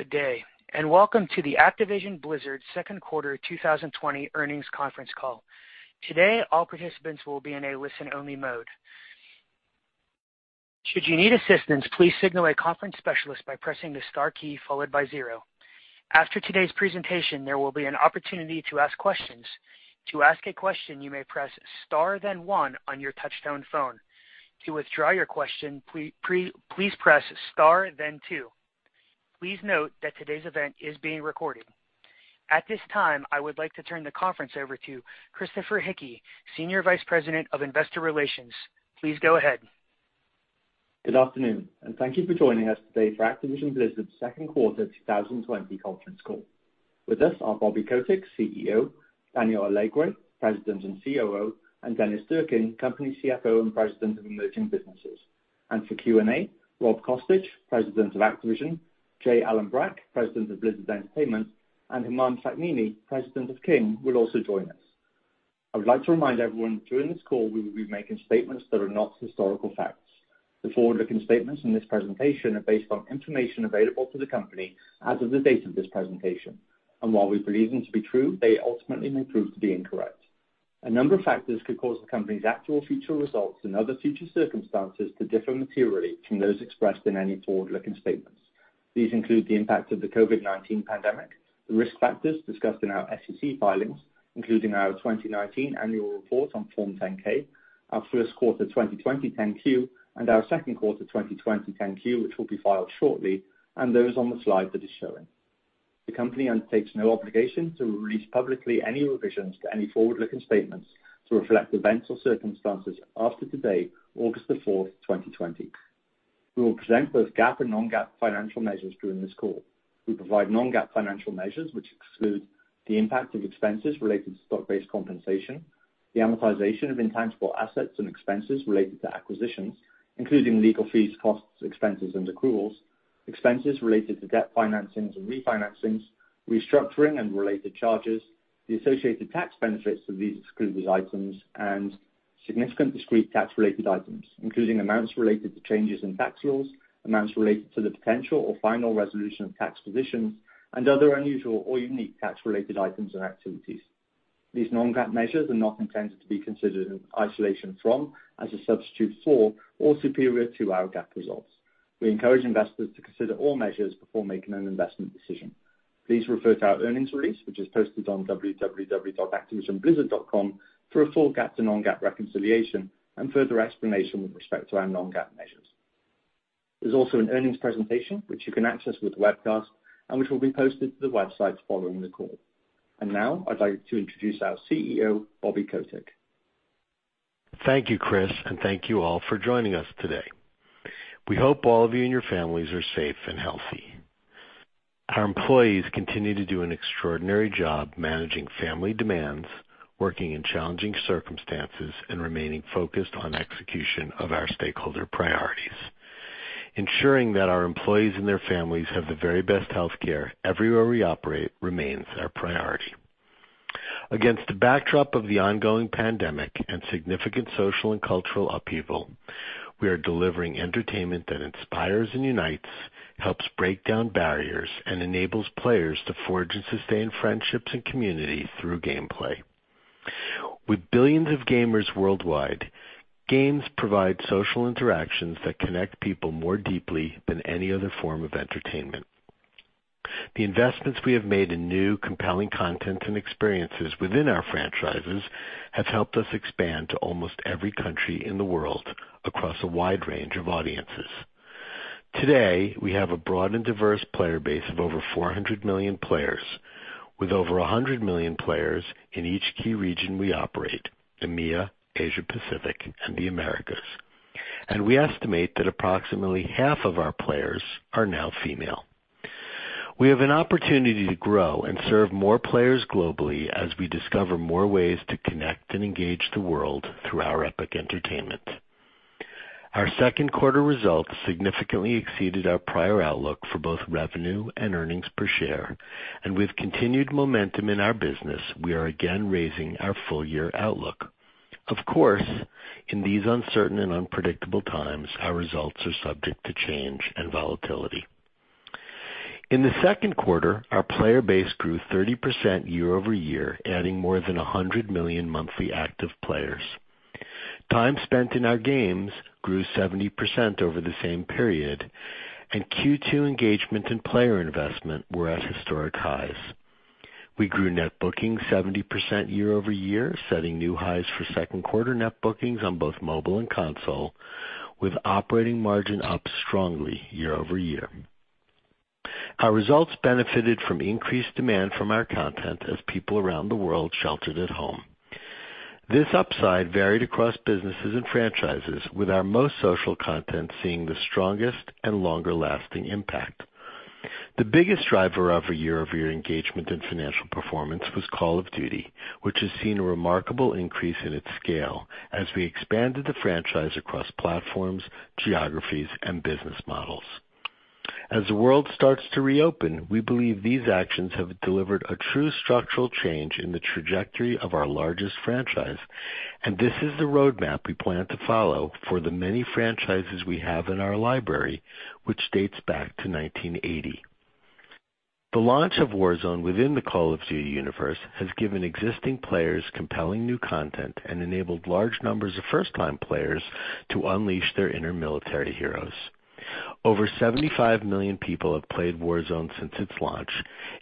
Good day, and welcome to the Activision Blizzard second quarter 2020 earnings conference call. Today, all participants will be in a listen-only mode. Should you need assistance, please signal a conference specialist by pressing the star key followed by zero. After today's presentation, there will be an opportunity to ask questions. To ask a question, you may press star then one on your touch-tone phone. To withdraw your question, please press star then two. Please note that today's event is being recorded. At this time, I would like to turn the conference over to Christopher Hickey, Senior Vice President of Investor Relations. Please go ahead. Good afternoon. Thank you for joining us today for Activision Blizzard's second quarter 2020 conference call. With us are Bobby Kotick, CEO; Daniel Alegre, President and COO; and Dennis Durkin, Company CFO and President of Emerging Businesses. For Q&A, Rob Kostich, President of Activision; J. Allen Brack, President of Blizzard Entertainment; and Humam Sakhnini, President of King, will also join us. I would like to remind everyone that during this call, we will be making statements that are not historical facts. The forward-looking statements in this presentation are based on information available to the company as of the date of this presentation. While we believe them to be true, they ultimately may prove to be incorrect. A number of factors could cause the company's actual future results and other future circumstances to differ materially from those expressed in any forward-looking statements. These include the impact of the COVID-19 pandemic, the risk factors discussed in our SEC filings, including our 2019 annual report on Form 10-K, our first quarter 2020 10-Q, and our second quarter 2020 10-Q, which will be filed shortly, and those on the slide that is showing. The company undertakes no obligation to release publicly any revisions to any forward-looking statements to reflect events or circumstances after today, August the fourth, 2020. We will present both GAAP and non-GAAP financial measures during this call. We provide non-GAAP financial measures which exclude the impact of expenses related to stock-based compensation, the amortization of intangible assets and expenses related to acquisitions, including legal fees, costs, expenses, and accruals, expenses related to debt financings and refinancings, restructuring and related charges, the associated tax benefits of these excluded items, and significant discrete tax-related items, including amounts related to changes in tax laws, amounts related to the potential or final resolution of tax positions, and other unusual or unique tax-related items and activities. These non-GAAP measures are not intended to be considered in isolation from, as a substitute for, or superior to our GAAP results. We encourage investors to consider all measures before making an investment decision. Please refer to our earnings release, which is posted on www.activisionblizzard.com, for a full GAAP to non-GAAP reconciliation and further explanation with respect to our non-GAAP measures. There's also an earnings presentation, which you can access with the webcast and which will be posted to the websites following the call. Now I'd like to introduce our CEO, Bobby Kotick. Thank you, Chris, thank you all for joining us today. We hope all of you and your families are safe and healthy. Our employees continue to do an extraordinary job managing family demands, working in challenging circumstances, and remaining focused on execution of our stakeholder priorities. Ensuring that our employees and their families have the very best healthcare everywhere we operate remains our priority. Against the backdrop of the ongoing pandemic and significant social and cultural upheaval, we are delivering entertainment that inspires and unites, helps break down barriers, and enables players to forge and sustain friendships and community through gameplay. With billions of gamers worldwide, games provide social interactions that connect people more deeply than any other form of entertainment. The investments we have made in new compelling content and experiences within our franchises have helped us expand to almost every country in the world across a wide range of audiences. Today, we have a broad and diverse player base of over 400 million players, with over 100 million players in each key region we operate: EMEA, Asia Pacific, and the Americas. We estimate that approximately half of our players are now female. We have an opportunity to grow and serve more players globally as we discover more ways to connect and engage the world through our epic entertainment. Our second quarter results significantly exceeded our prior outlook for both revenue and EPS. With continued momentum in our business, we are again raising our full-year outlook. Of course, in these uncertain and unpredictable times, our results are subject to change and volatility. In the second quarter, our player base grew 30% year-over-year, adding more than 100 million monthly active players. Time spent in our games grew 70% over the same period. Q2 engagement and player investment were at historic highs. We grew net bookings 70% year-over-year, setting new highs for second quarter net bookings on both mobile and console, with operating margin up strongly year-over-year. Our results benefited from increased demand from our content as people around the world sheltered at home. This upside varied across businesses and franchises, with our most social content seeing the strongest and longer-lasting impact. The biggest driver of year-over-year engagement and financial performance was Call of Duty, which has seen a remarkable increase in its scale as we expanded the franchise across platforms, geographies, and business models. As the world starts to reopen, we believe these actions have delivered a true structural change in the trajectory of our largest franchise, and this is the roadmap we plan to follow for the many franchises we have in our library, which dates back to 1980. The launch of Warzone within the Call of Duty universe has given existing players compelling new content and enabled large numbers of first-time players to unleash their inner military heroes. Over 75 million people have played Warzone since its launch,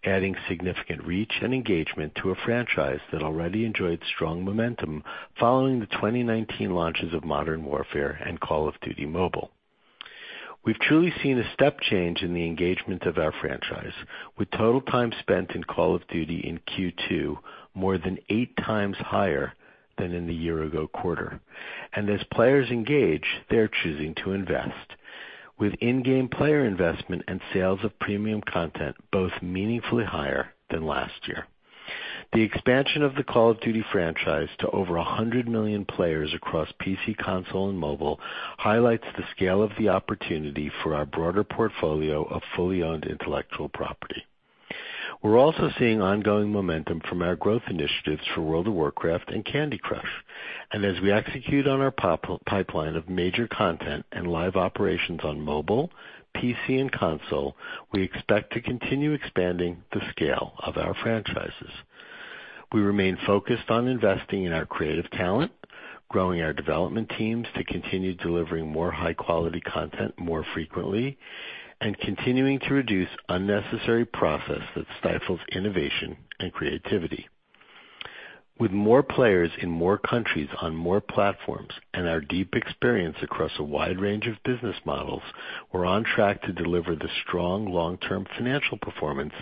adding significant reach and engagement to a franchise that already enjoyed strong momentum following the 2019 launches of Modern Warfare and Call of Duty: Mobile. We've truly seen a step change in the engagement of our franchise, with total time spent in Call of Duty in Q2 more than eight times higher than in the year ago quarter. As players engage, they are choosing to invest. With in-game player investment and sales of premium content both meaningfully higher than last year. The expansion of the Call of Duty franchise to over 100 million players across PC, console, and mobile highlights the scale of the opportunity for our broader portfolio of fully owned intellectual property. We're also seeing ongoing momentum from our growth initiatives for World of Warcraft and Candy Crush. As we execute on our pipeline of major content and live operations on mobile, PC, and console, we expect to continue expanding the scale of our franchises. We remain focused on investing in our creative talent, growing our development teams to continue delivering more high-quality content more frequently, and continuing to reduce unnecessary process that stifles innovation and creativity. With more players in more countries on more platforms and our deep experience across a wide range of business models, we're on track to deliver the strong long-term financial performance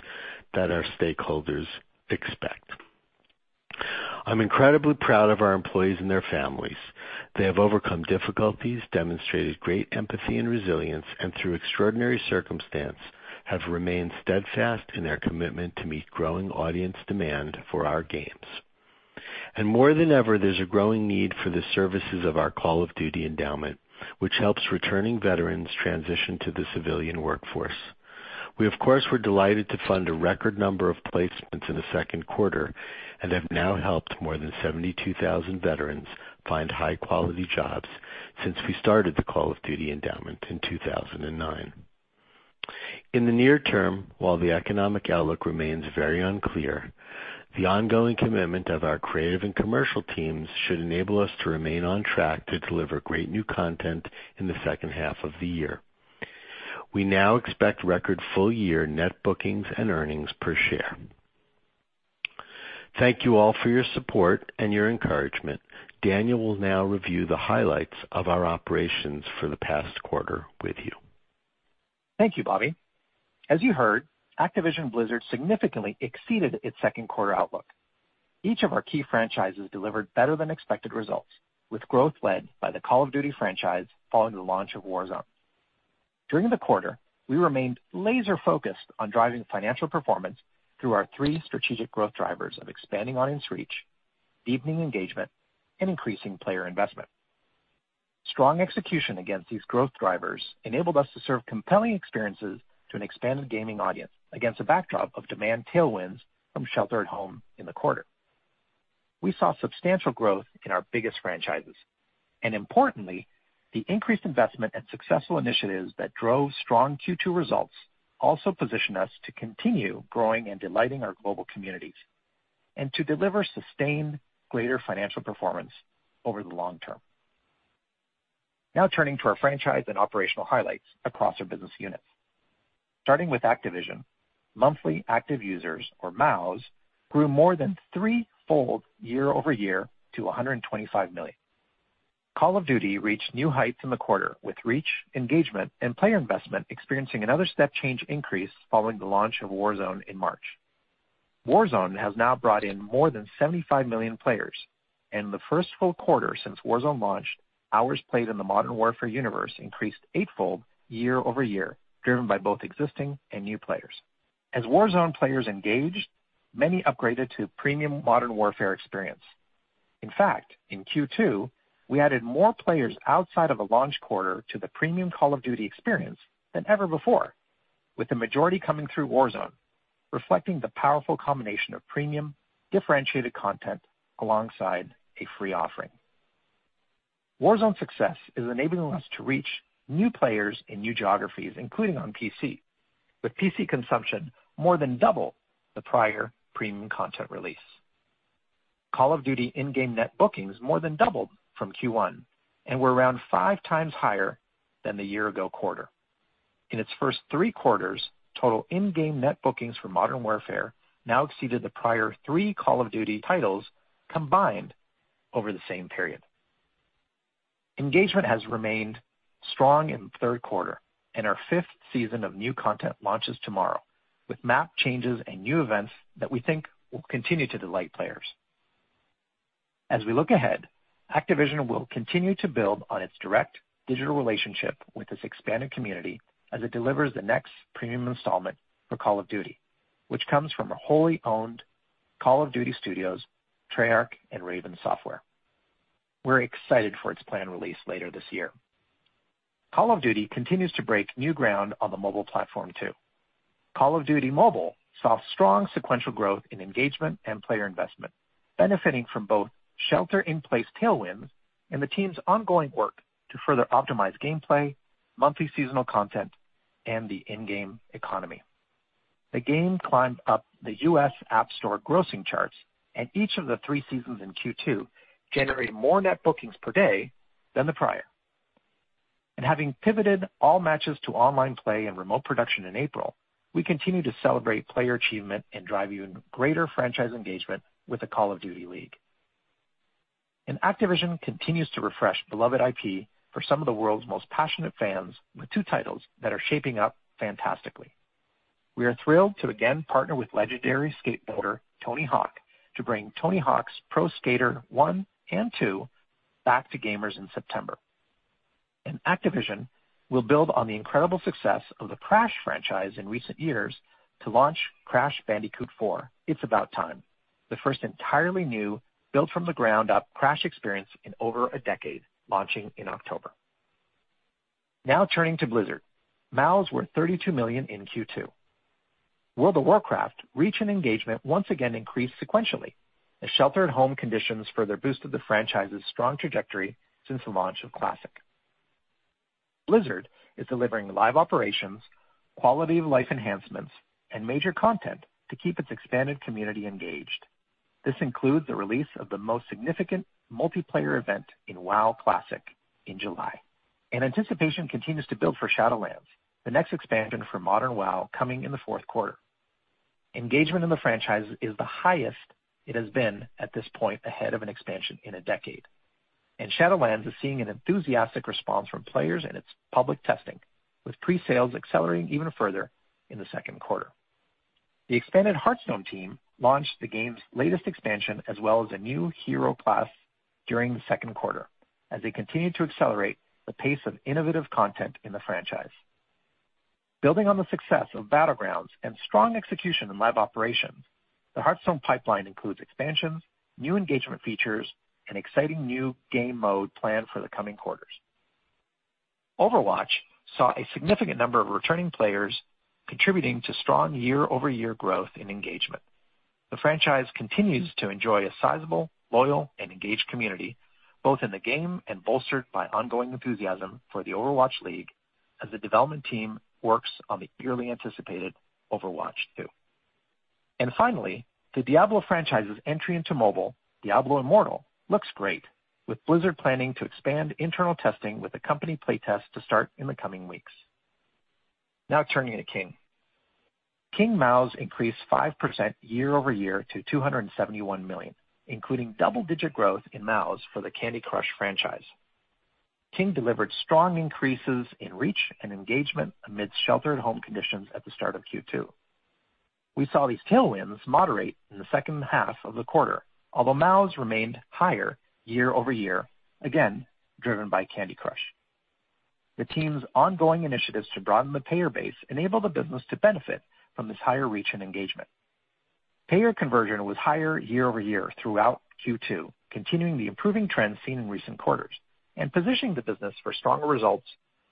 that our stakeholders expect. I'm incredibly proud of our employees and their families. They have overcome difficulties, demonstrated great empathy and resilience, and through extraordinary circumstance, have remained steadfast in their commitment to meet growing audience demand for our games. More than ever, there's a growing need for the services of our Call of Duty Endowment, which helps returning veterans transition to the civilian workforce. We, of course, were delighted to fund a record number of placements in the second quarter and have now helped more than 72,000 veterans find high-quality jobs since we started the Call of Duty Endowment in 2009. In the near term, while the economic outlook remains very unclear, the ongoing commitment of our creative and commercial teams should enable us to remain on track to deliver great new content in the second half of the year. We now expect record full year net bookings and earnings per share. Thank you all for your support and your encouragement. Daniel will now review the highlights of our operations for the past quarter with you. Thank you, Bobby. As you heard, Activision Blizzard significantly exceeded its second quarter outlook. Each of our key franchises delivered better than expected results, with growth led by the Call of Duty franchise following the launch of Warzone. During the quarter, we remained laser focused on driving financial performance through our three strategic growth drivers of expanding audience reach, deepening engagement, and increasing player investment. Strong execution against these growth drivers enabled us to serve compelling experiences to an expanded gaming audience against a backdrop of demand tailwinds from shelter at home in the quarter. We saw substantial growth in our biggest franchises. Importantly, the increased investment and successful initiatives that drove strong Q2 results also position us to continue growing and delighting our global communities and to deliver sustained greater financial performance over the long term. Turning to our franchise and operational highlights across our business units. Starting with Activision, monthly active users, or MAUs, grew more than three-fold year-over-year to 125 million. Call of Duty reached new heights in the quarter with reach, engagement, and player investment experiencing another step change increase following the launch of Warzone in March. Warzone has now brought in more than 75 million players. In the first full quarter since Warzone launched, hours played in the Modern Warfare universe increased eight-fold year-over-year, driven by both existing and new players. As Warzone players engaged, many upgraded to premium Modern Warfare experience. In fact, in Q2, we added more players outside of a launch quarter to the premium Call of Duty experience than ever before, with the majority coming through Warzone, reflecting the powerful combination of premium differentiated content alongside a free offering. Warzone success is enabling us to reach new players in new geographies, including on PC, with PC consumption more than double the prior premium content release. Call of Duty in-game net bookings more than doubled from Q1 and were around five times higher than the year ago quarter. In its first three quarters, total in-game net bookings for Modern Warfare now exceeded the prior three Call of Duty titles combined over the same period. Engagement has remained strong in the third quarter, and our fifth season of new content launches tomorrow with map changes and new events that we think will continue to delight players. As we look ahead, Activision will continue to build on its direct digital relationship with this expanded community as it delivers the next premium installment for Call of Duty, which comes from a wholly owned Call of Duty studios, Treyarch and Raven Software. We're excited for its planned release later this year. Call of Duty continues to break new ground on the mobile platform too. Call of Duty: Mobile saw strong sequential growth in engagement and player investment, benefiting from both shelter in place tailwinds and the team's ongoing work to further optimize gameplay, monthly seasonal content, and the in-game economy. The game climbed up the U.S. App Store grossing charts. Each of the three seasons in Q2 generated more net bookings per day than the prior. Having pivoted all matches to online play and remote production in April, we continue to celebrate player achievement and drive even greater franchise engagement with the Call of Duty League. Activision continues to refresh beloved IP for some of the world's most passionate fans with two titles that are shaping up fantastically. We are thrilled to again partner with legendary skateboarder Tony Hawk to bring Tony Hawk's Pro Skater 1 and 2 back to gamers in September. Activision will build on the incredible success of the Crash franchise in recent years to launch Crash Bandicoot 4: It's About Time, the first entirely new, built-from-the-ground-up Crash experience in over a decade, launching in October. Turning to Blizzard. MAUs were 32 million in Q2. World of Warcraft reach and engagement once again increased sequentially as shelter at home conditions further boosted the franchise's strong trajectory since the launch of Classic. Blizzard is delivering live operations, quality of life enhancements, and major content to keep its expanded community engaged. This includes the release of the most significant multiplayer event in WoW Classic in July. Anticipation continues to build for Shadowlands, the next expansion for modern WoW coming in the fourth quarter. Engagement in the franchise is the highest it has been at this point ahead of an expansion in a decade. Shadowlands is seeing an enthusiastic response from players in its public testing, with pre-sales accelerating even further in the second quarter. The expanded Hearthstone team launched the game's latest expansion as well as a new hero class during the second quarter as they continue to accelerate the pace of innovative content in the franchise. Building on the success of Battlegrounds and strong execution in live operations, the Hearthstone pipeline includes expansions, new engagement features, and exciting new game mode planned for the coming quarters. Overwatch saw a significant number of returning players contributing to strong year-over-year growth in engagement. The franchise continues to enjoy a sizable, loyal, and engaged community, both in the game and bolstered by ongoing enthusiasm for the Overwatch League as the development team works on the eagerly anticipated Overwatch 2. Finally, the Diablo franchise's entry into mobile, Diablo Immortal, looks great. With Blizzard planning to expand internal testing with a company play test to start in the coming weeks. Turning to King. King MAUs increased 5% year-over-year to 271 million, including double-digit growth in MAUs for the Candy Crush franchise. King delivered strong increases in reach and engagement amidst shelter at home conditions at the start of Q2. We saw these tailwinds moderate in the second half of the quarter, although MAUs remained higher year-over-year, again driven by Candy Crush. The team's ongoing initiatives to broaden the payer base enable the business to benefit from this higher reach and engagement. Payer conversion was higher year-over-year throughout Q2, continuing the improving trend seen in recent quarters and positioning the business for stronger results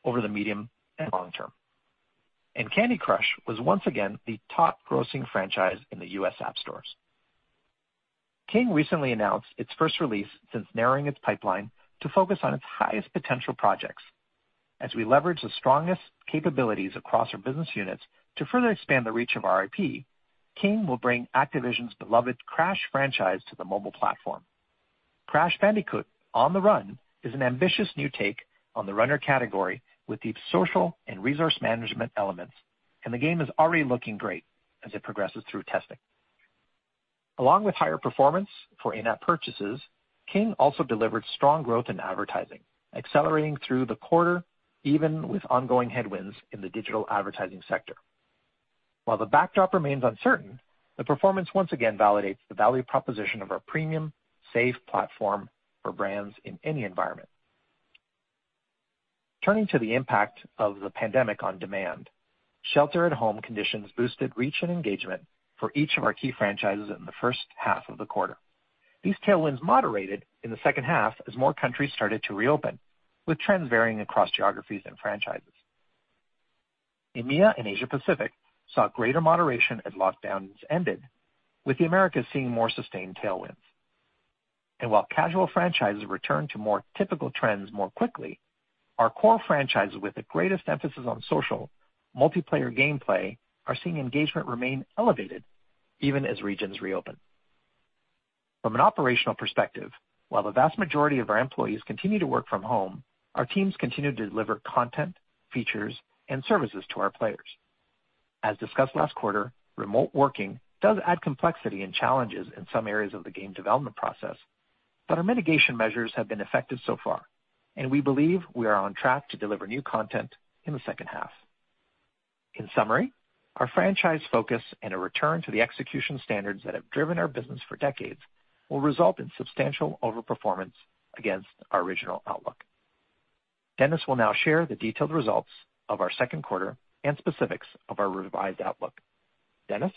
over the medium and long term. Candy Crush was once again the top grossing franchise in the U.S. App Stores. King recently announced its first release since narrowing its pipeline to focus on its highest potential projects. As we leverage the strongest capabilities across our business units to further expand the reach of our IP, King will bring Activision's beloved Crash franchise to the mobile platform. Crash Bandicoot: On the Run is an ambitious new take on the runner category with deep social and resource management elements, and the game is already looking great as it progresses through testing. Along with higher performance for in-app purchases, King also delivered strong growth in advertising, accelerating through the quarter even with ongoing headwinds in the digital advertising sector. While the backdrop remains uncertain, the performance once again validates the value proposition of our premium, safe platform for brands in any environment. Turning to the impact of the pandemic on demand. Shelter at home conditions boosted reach and engagement for each of our key franchises in the first half of the quarter. These tailwinds moderated in the second half as more countries started to reopen, with trends varying across geographies and franchises. EMEA and Asia Pacific saw greater moderation as lockdowns ended, with the Americas seeing more sustained tailwinds. While casual franchises return to more typical trends more quickly, our core franchises with the greatest emphasis on social multiplayer game play are seeing engagement remain elevated even as regions reopen. From an operational perspective, while the vast majority of our employees continue to work from home, our teams continue to deliver content, features, and services to our players. As discussed last quarter, remote working does add complexity and challenges in some areas of the game development process, but our mitigation measures have been effective so far, and we believe we are on track to deliver new content in the second half. In summary, our franchise focus and a return to the execution standards that have driven our business for decades will result in substantial overperformance against our original outlook. Dennis will now share the detailed results of our second quarter and specifics of our revised outlook. Dennis?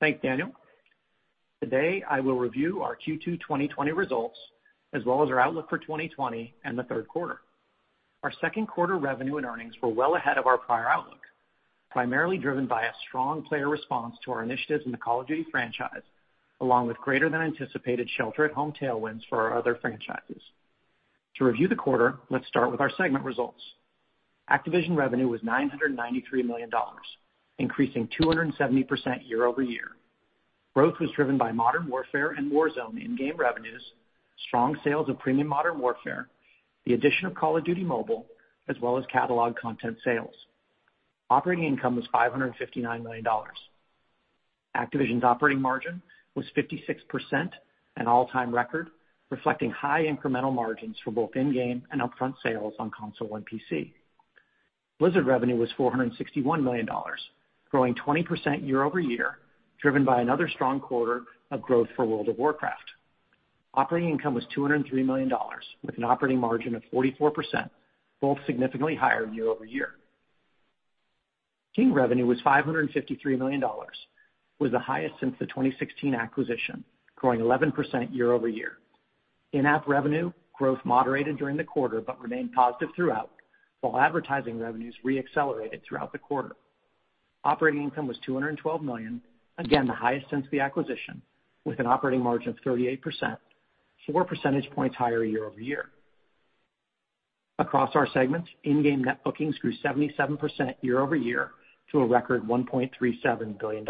Thanks, Daniel. Today I will review our Q2 2020 results, as well as our outlook for 2020 and the third quarter. Our second quarter revenue and earnings were well ahead of our prior outlook, primarily driven by a strong player response to our initiatives in the Call of Duty franchise, along with greater than anticipated shelter at home tailwinds for our other franchises. To review the quarter, let's start with our segment results. Activision revenue was $993 million, increasing 270% year-over-year. Growth was driven by Modern Warfare and Warzone in-game revenues, strong sales of premium Modern Warfare, the addition of Call of Duty: Mobile, as well as catalog content sales. Operating income was $559 million. Activision's operating margin was 56%, an all-time record, reflecting high incremental margins for both in-game and upfront sales on console and PC. Blizzard revenue was $461 million, growing 20% year-over-year, driven by another strong quarter of growth for World of Warcraft. Operating income was $203 million, with an operating margin of 44%, both significantly higher year-over-year. King revenue was $553 million, was the highest since the 2016 acquisition, growing 11% year-over-year. In-app revenue growth moderated during the quarter but remained positive throughout, while advertising revenues re-accelerated throughout the quarter. Operating income was $212 million, again the highest since the acquisition, with an operating margin of 38%, four percentage points higher year-over-year. Across our segments, in-game net bookings grew 77% year-over-year to a record $1.37 billion.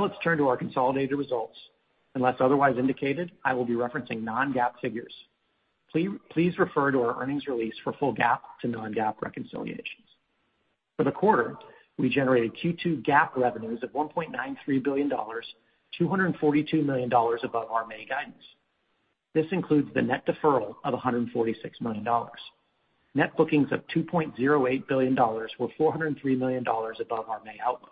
Let's turn to our consolidated results. Unless otherwise indicated, I will be referencing non-GAAP figures. Please refer to our earnings release for full GAAP to non-GAAP reconciliations. For the quarter, we generated Q2 GAAP revenues of $1.93 billion, $242 million above our May guidance. This includes the net deferral of $146 million. Net bookings of $2.08 billion were $403 million above our May outlook.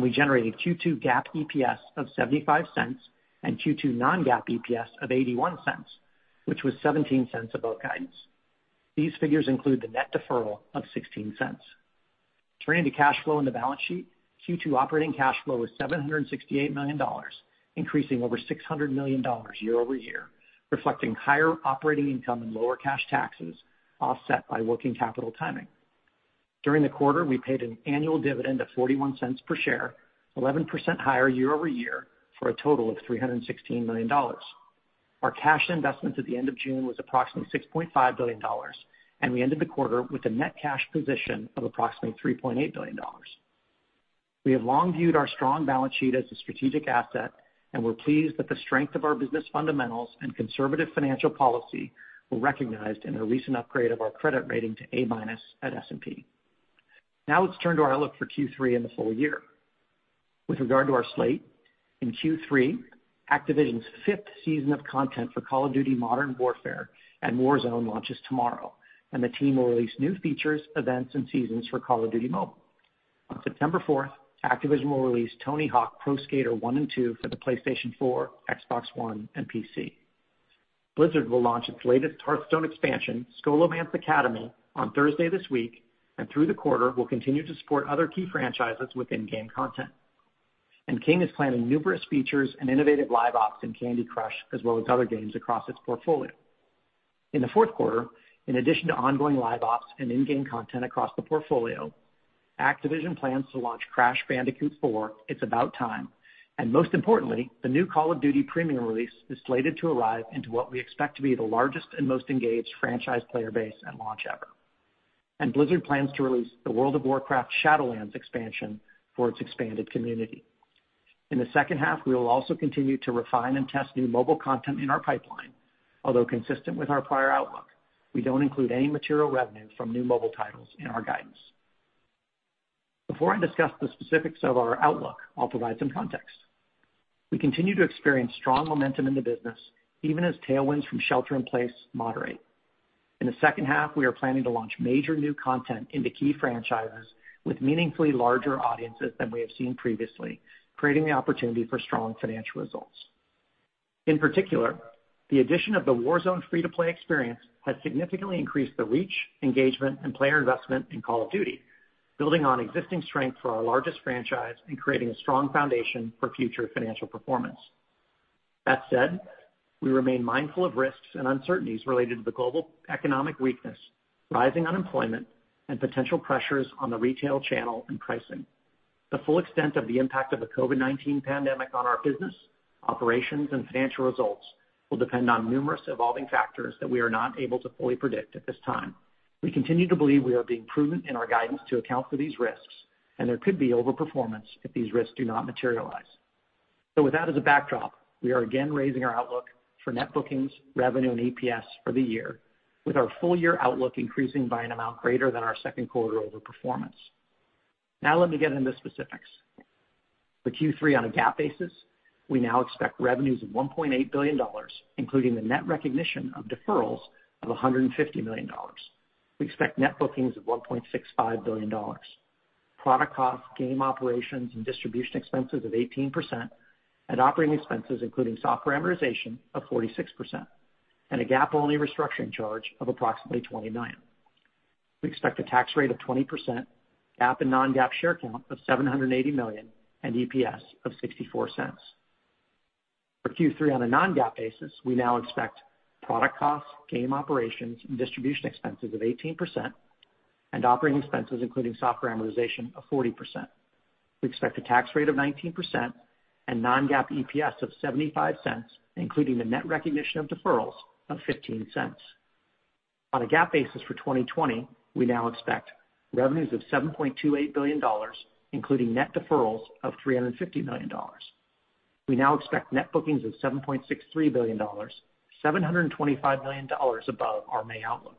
We generated Q2 GAAP EPS of $0.75 and Q2 non-GAAP EPS of $0.81, which was $0.17 above guidance. These figures include the net deferral of $0.16. Turning to cash flow and the balance sheet, Q2 operating cash flow was $768 million, increasing over $600 million year-over-year, reflecting higher operating income and lower cash taxes offset by working capital timing. During the quarter, we paid an annual dividend of $0.41 per share, 11% higher year-over-year for a total of $316 million. Our cash investments at the end of June was approximately $6.5 billion, and we ended the quarter with a net cash position of approximately $3.8 billion. We have long viewed our strong balance sheet as a strategic asset, and we're pleased that the strength of our business fundamentals and conservative financial policy were recognized in a recent upgrade of our credit rating to A- at S&P. Let's turn to our outlook for Q3 and the full year. With regard to our slate, in Q3, Activision's fifth season of content for Call of Duty, Modern Warfare and Warzone launches tomorrow, and the team will release new features, events and seasons for Call of Duty: Mobile. On September fourth, Activision will release Tony Hawk's Pro Skater 1 and 2 for the PlayStation 4, Xbox One, and PC. Blizzard will launch its latest Hearthstone expansion, Scholomance Academy, on Thursday this week, and through the quarter will continue to support other key franchises with in-game content. King is planning numerous features and innovative live ops in Candy Crush as well as other games across its portfolio. In the fourth quarter, in addition to ongoing live ops and in game content across the portfolio, Activision plans to launch Crash Bandicoot 4: It's About Time, most importantly, the new Call of Duty premium release is slated to arrive into what we expect to be the largest and most engaged franchise player base at launch ever. Blizzard plans to release the World of Warcraft Shadowlands expansion for its expanded community. In the second half, we will also continue to refine and test new mobile content in our pipeline. Although consistent with our prior outlook, we don't include any material revenue from new mobile titles in our guidance. Before I discuss the specifics of our outlook, I'll provide some context. We continue to experience strong momentum in the business, even as tailwinds from shelter in place moderate. In the second half, we are planning to launch major new content into key franchises with meaningfully larger audiences than we have seen previously, creating the opportunity for strong financial results. In particular, the addition of the Warzone free to play experience has significantly increased the reach, engagement and player investment in Call of Duty, building on existing strength for our largest franchise and creating a strong foundation for future financial performance. That said, we remain mindful of risks and uncertainties related to the global economic weakness, rising unemployment and potential pressures on the retail channel and pricing. The full extent of the impact of the COVID-19 pandemic on our business, operations and financial results will depend on numerous evolving factors that we are not able to fully predict at this time. We continue to believe we are being prudent in our guidance to account for these risks, and there could be overperformance if these risks do not materialize. With that as a backdrop, we are again raising our outlook for net bookings, revenue and EPS for the year, with our full year outlook increasing by an amount greater than our second quarter over performance. Let me get into specifics. For Q3 on a GAAP basis, we now expect revenues of $1.8 billion, including the net recognition of deferrals of $150 million. We expect net bookings of $1.65 billion, product costs, game operations, and distribution expenses of 18%, and operating expenses, including software amortization, of 46%. A GAAP-only restructuring charge of approximately 29. We expect a tax rate of 20%, GAAP and non-GAAP share count of 780 million, and EPS of $0.64. For Q3 on a non-GAAP basis, we now expect product costs, game operations, and distribution expenses of 18%, and operating expenses, including software amortization, of 40%. We expect a tax rate of 19% and non-GAAP EPS of $0.75, including the net recognition of deferrals of $0.15. On a GAAP basis for 2020, we now expect revenues of $7.28 billion, including net deferrals of $350 million. We now expect net bookings of $7.63 billion, $725 million above our May outlook.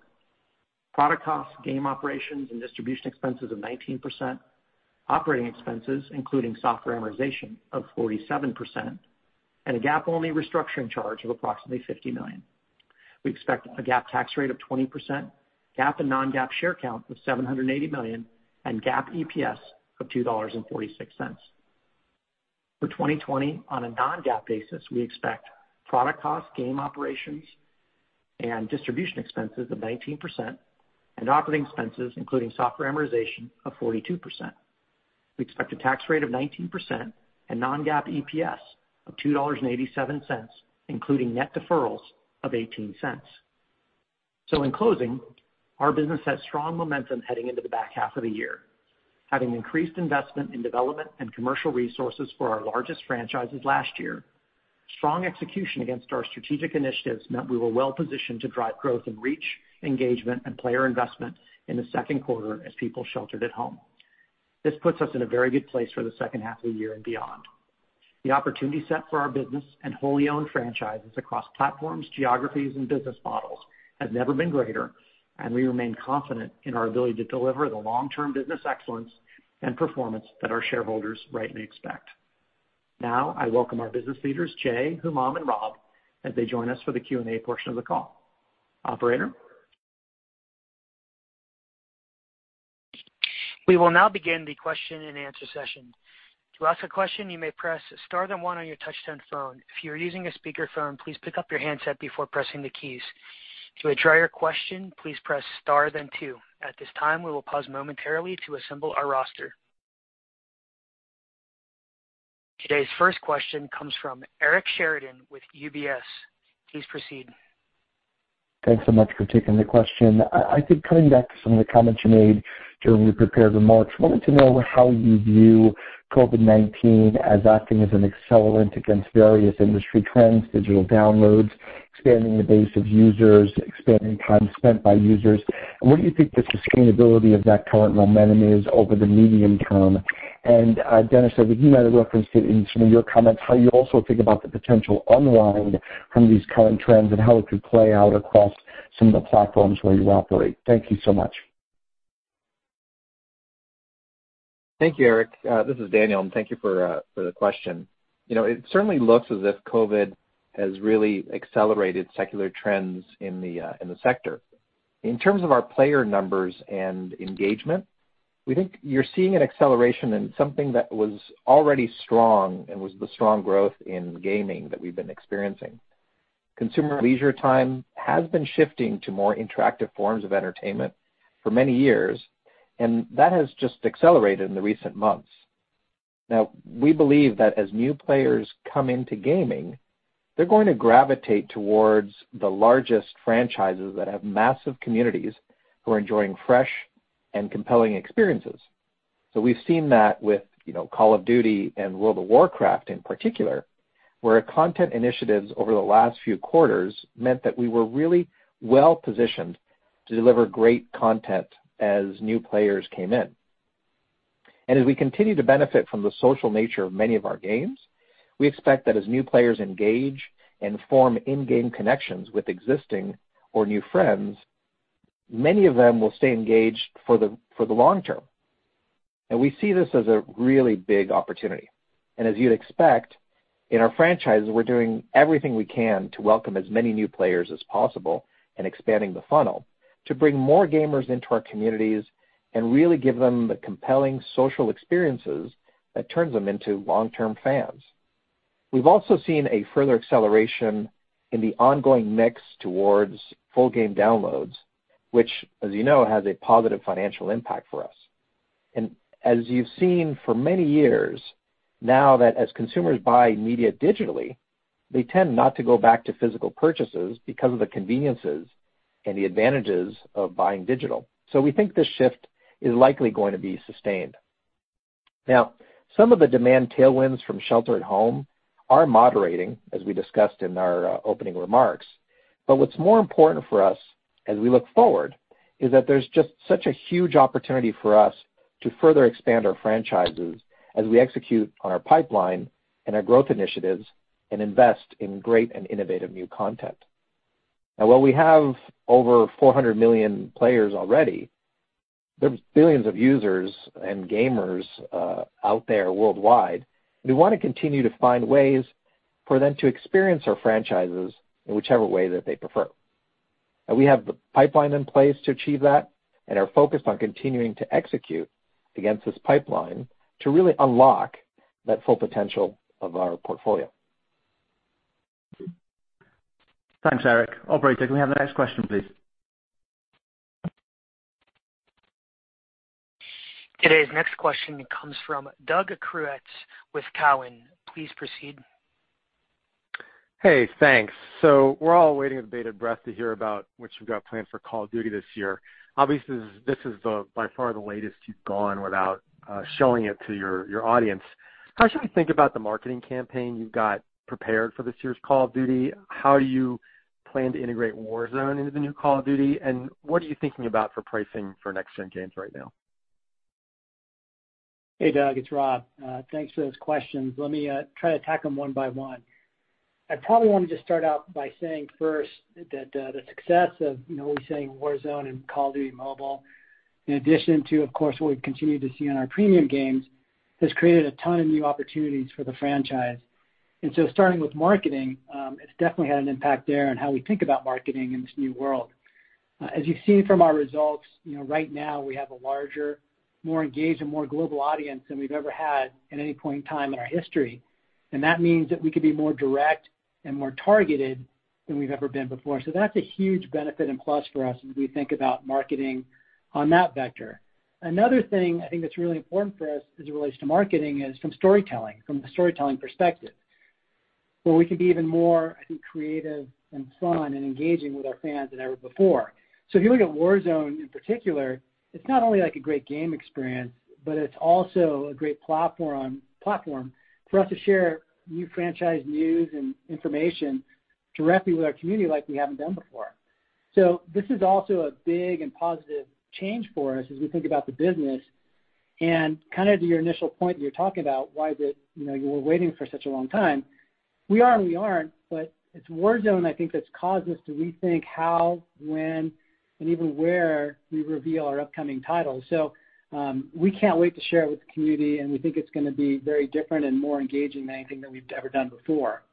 Product costs, game operations, and distribution expenses of 19%, operating expenses, including software amortization, of 47%, and a GAAP-only restructuring charge of approximately $50 million. We expect a GAAP tax rate of 20%, GAAP and non-GAAP share count of 780 million, and GAAP EPS of $2.46. For 2020, on a non-GAAP basis, we expect product cost, game operations, and distribution expenses of 19%, and operating expenses, including software amortization, of 42%. We expect a tax rate of 19% and non-GAAP EPS of $2.87, including net deferrals of $0.18. In closing, our business has strong momentum heading into the back half of the year. Having increased investment in development and commercial resources for our largest franchises last year, strong execution against our strategic initiatives meant we were well-positioned to drive growth and reach engagement and player investment in the second quarter as people sheltered at home. This puts us in a very good place for the second half of the year and beyond. The opportunity set for our business and wholly owned franchises across platforms, geographies, and business models have never been greater, and we remain confident in our ability to deliver the long-term business excellence and performance that our shareholders rightly expect. Now, I welcome our business leaders, J., Humam and Rob, as they join us for the Q&A portion of the call. Operator? We will now begin the question and answer session. To ask a question, you may press star then one on your touchtone phone. If you're using a speakerphone, please pick up your handset before pressing the keys. To withdraw your question, please press star then two. At this time, we will pause momentarily to assemble our roster. Today's first question comes from Eric Sheridan with UBS. Please proceed. Thanks so much for taking the question. I think coming back to some of the comments you made during your prepared remarks, wanted to know how you view COVID-19 as acting as an accelerant against various industry trends, digital downloads, expanding the base of users, expanding time spent by users, and what do you think the sustainability of that current momentum is over the medium term? Dennis, I think you might have referenced it in some of your comments, how you also think about the potential unwind from these current trends and how it could play out across some of the platforms where you operate. Thank you so much. Thank you, Eric. This is Daniel, and thank you for the question. It certainly looks as if COVID has really accelerated secular trends in the sector. In terms of our player numbers and engagement, we think you're seeing an acceleration in something that was already strong and was the strong growth in gaming that we've been experiencing. Consumer leisure time has been shifting to more interactive forms of entertainment for many years, and that has just accelerated in the recent months. Now, we believe that as new players come into gaming, they're going to gravitate towards the largest franchises that have massive communities who are enjoying fresh and compelling experiences. We've seen that with Call of Duty and World of Warcraft in particular, where our content initiatives over the last few quarters meant that we were really well-positioned to deliver great content as new players came in. As we continue to benefit from the social nature of many of our games, we expect that as new players engage and form in-game connections with existing or new friends, many of them will stay engaged for the long term. We see this as a really big opportunity. As you'd expect, in our franchises, we're doing everything we can to welcome as many new players as possible and expanding the funnel to bring more gamers into our communities and really give them the compelling social experiences that turns them into long-term fans. We've also seen a further acceleration in the ongoing mix towards full game downloads, which, as you know, has a positive financial impact for us. As you've seen for many years now that as consumers buy media digitally, they tend not to go back to physical purchases because of the conveniences and the advantages of buying digital. We think this shift is likely going to be sustained. Some of the demand tailwinds from shelter at home are moderating, as we discussed in our opening remarks. What's more important for us as we look forward is that there's just such a huge opportunity for us to further expand our franchises as we execute on our pipeline and our growth initiatives and invest in great and innovative new content. While we have over 400 million players already, there's billions of users and gamers out there worldwide. We want to continue to find ways for them to experience our franchises in whichever way that they prefer. We have the pipeline in place to achieve that and are focused on continuing to execute against this pipeline to really unlock that full potential of our portfolio. Thanks, Eric. Operator, can we have the next question, please? Today's next question comes from Doug Creutz with Cowen. Please proceed. Hey, thanks. We're all waiting with bated breath to hear about what you've got planned for Call of Duty this year. Obviously, this is by far the latest you've gone without showing it to your audience. How should we think about the marketing campaign you've got prepared for this year's Call of Duty? How do you plan to integrate Warzone into the new Call of Duty? What are you thinking about for pricing for next-gen games right now? Hey, Doug. It's Rob. Thanks for those questions. Let me try to attack them one by one. I probably want to just start out by saying first that the success of Warzone and Call of Duty: Mobile, in addition to, of course, what we've continued to see on our premium games, has created a ton of new opportunities for the franchise. Starting with marketing, it's definitely had an impact there on how we think about marketing in this new world. As you've seen from our results, right now we have a larger, more engaged, and more global audience than we've ever had at any point in time in our history. That means that we can be more direct and more targeted than we've ever been before. That's a huge benefit and plus for us as we think about marketing on that vector. Another thing I think that's really important for us as it relates to marketing is from a storytelling perspective, where we can be even more, I think, creative and fun and engaging with our fans than ever before. If you look at Warzone in particular, it's not only a great game experience, but it's also a great platform for us to share new franchise news and information directly with our community like we haven't done before. This is also a big and positive change for us as we think about the business. To your initial point you were talking about why we're waiting for such a long time. We are and we aren't, but it's Warzone, I think, that's caused us to rethink how, when, and even where we reveal our upcoming titles. We can't wait to share it with the community, and we think it's going to be very different and more engaging than anything that we've ever done before.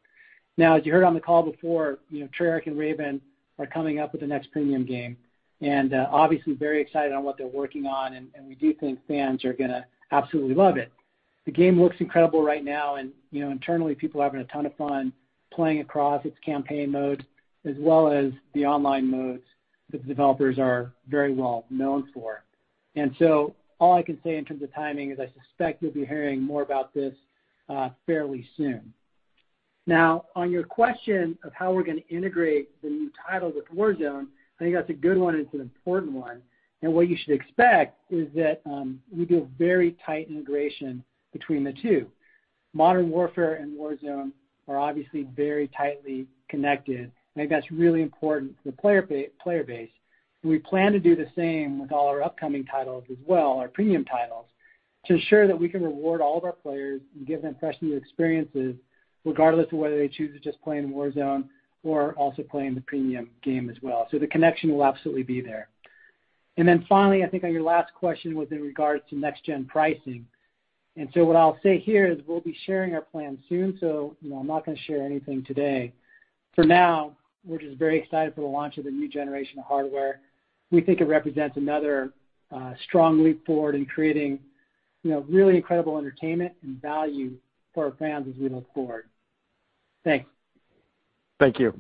As you heard on the call before, Treyarch and Raven are coming up with the next premium game, and obviously very excited on what they're working on, and we do think fans are going to absolutely love it. The game looks incredible right now, and internally, people are having a ton of fun playing across its campaign modes, as well as the online modes that the developers are very well known for. All I can say in terms of timing is I suspect you'll be hearing more about this fairly soon. On your question of how we're going to integrate the new title with Warzone, I think that's a good one and it's an important one. What you should expect is that we do a very tight integration between the two. Modern Warfare and Warzone are obviously very tightly connected. I think that's really important for the player base. We plan to do the same with all our upcoming titles as well, our premium titles, to ensure that we can reward all of our players and give them fresh new experiences regardless of whether they choose to just play in Warzone or also play in the premium game as well. The connection will absolutely be there. Finally, I think on your last question was in regards to next-gen pricing. What I'll say here is we'll be sharing our plan soon, so I'm not going to share anything today. For now, we're just very excited for the launch of the new generation of hardware. We think it represents another strong leap forward in creating really incredible entertainment and value for our fans as we look forward. Thanks. Thank you.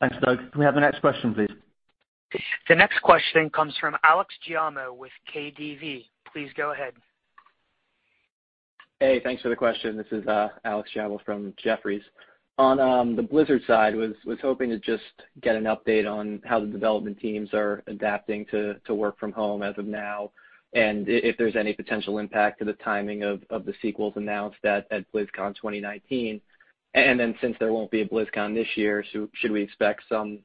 Thanks, Doug. Can we have the next question, please? The next question comes from Alex Giaimo with Jefferies. Please go ahead. Hey, thanks for the question. This is Alex Giaimo from Jefferies. On the Blizzard side, was hoping to just get an update on how the development teams are adapting to work from home as of now, if there's any potential impact to the timing of the sequels announced at BlizzCon 2019. Since there won't be a BlizzCon this year, should we expect some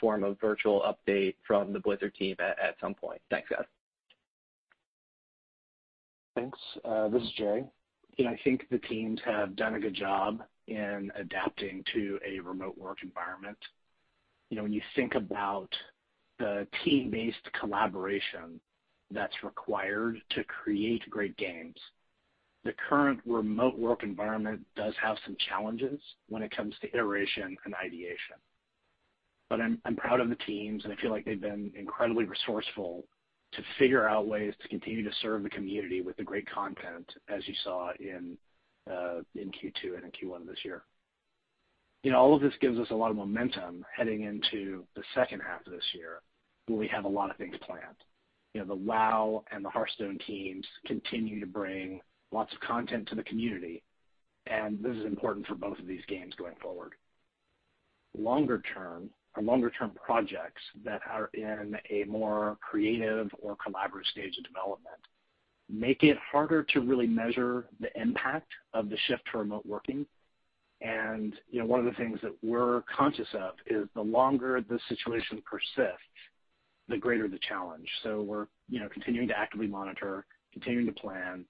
form of virtual update from the Blizzard team at some point? Thanks, guys. Thanks. This is J. I think the teams have done a good job in adapting to a remote work environment. When you think about the team-based collaboration that's required to create great games, the current remote work environment does have some challenges when it comes to iteration and ideation. I'm proud of the teams, and I feel like they've been incredibly resourceful to figure out ways to continue to serve the community with the great content as you saw in Q2 and in Q1 of this year. All of this gives us a lot of momentum heading into the second half of this year, where we have a lot of things planned. The WoW and the Hearthstone teams continue to bring lots of content to the community, and this is important for both of these games going forward. Longer term, our longer term projects that are in a more creative or collaborative stage of development make it harder to really measure the impact of the shift to remote working. One of the things that we're conscious of is the longer this situation persists, the greater the challenge. We're continuing to actively monitor, continuing to plan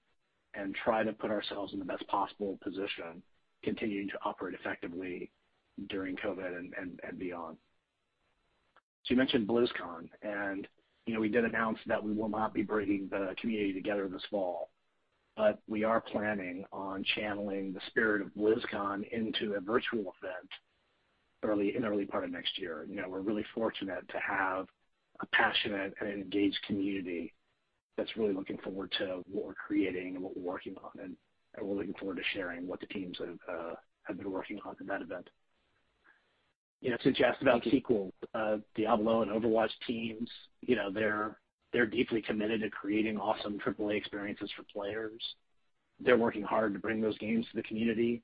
and try to put ourselves in the best possible position, continuing to operate effectively during COVID and beyond. You mentioned BlizzCon, and we did announce that we will not be bringing the community together this fall. We are planning on channeling the spirit of BlizzCon into a virtual event in the early part of next year. We're really fortunate to have a passionate and engaged community that's really looking forward to what we're creating and what we're working on, and we're looking forward to sharing what the teams have been working on for that event. Just about sequel, Diablo and Overwatch teams, they're deeply committed to creating awesome triple-A experiences for players. They're working hard to bring those games to the community,